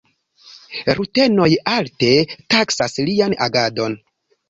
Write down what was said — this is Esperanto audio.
Rutenoj alte taksas lian agadon.